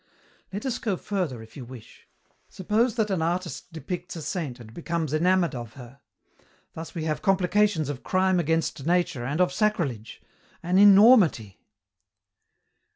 "Let us go further, if you wish. Suppose that an artist depicts a saint and becomes enamoured of her. Thus we have complications of crime against nature and of sacrilege. An enormity!"